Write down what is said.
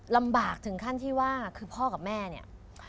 ลำบากถึงขั้นที่ว่าคือพ่อกับแม่เนี่ย